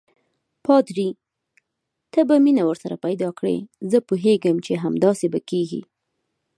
پادري: ته به مینه ورسره پیدا کړې، زه پوهېږم چې همداسې به کېږي.